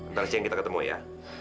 nanti kita ketemu ya